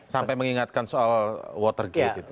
sampai mengingatkan watergate